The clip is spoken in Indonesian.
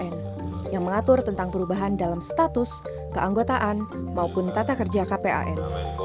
pembangunan keputusan aids adalah perubahan dalam status keanggotaan maupun tata kerja kpan